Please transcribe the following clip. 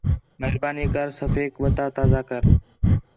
مہربانی کر صفحیک وَتا تازہ کر